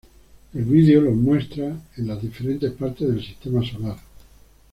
El vídeo los muestra en las diferentes partes del Sistema Solar.